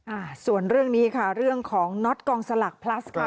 อ่าส่วนเรื่องนี้ค่ะเรื่องของน็อตกองสลักพลัสค่ะ